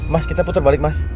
mas kita putar balik mas